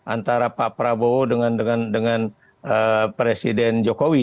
antara pak prabowo dengan presiden jokowi